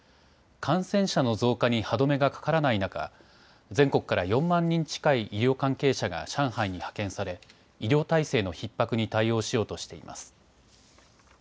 感染者の増加に歯止めがかからない中、全国から４万人近い医療関係者が上海に派遣され医療体制のひっ迫に対応しようとしています。